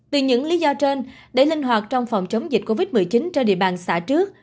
từ những lý do trên để linh hoạt trong phòng chống dịch covid một mươi chín trên địa bàn xã trước